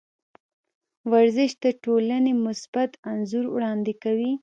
ورزش د ټولنې مثبت انځور وړاندې کوي.